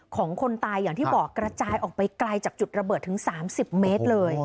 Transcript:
คนตายอย่างที่บอกกระจายออกไปไกลจากจุดระเบิดถึง๓๐เมตรเลย